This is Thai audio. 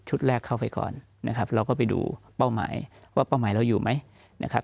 แรกเข้าไปก่อนนะครับเราก็ไปดูเป้าหมายว่าเป้าหมายเราอยู่ไหมนะครับ